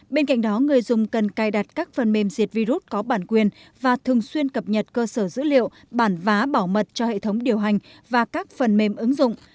bên cạnh đó người dùng cần cài đặt các phần mềm diệt virus có bản quyền và thường xuyên cập nhật cơ sở dữ liệu bản vá bảo mật cho hệ thống điều hành và các phần mềm ứng dụng